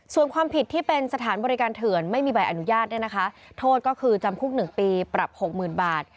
ส่วนความผิดที่เป็นสถานบริการเถื่อนไม่มีใบอนุญาตโทษก็คือจำคุก๑ปีปรับ๖๐๐๐บาท